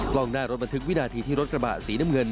กล้องหน้ารถบันทึกวินาทีที่รถกระบะสีน้ำเงิน